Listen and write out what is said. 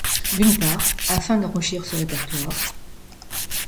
D'une part, afin d'enrichir ce répertoire.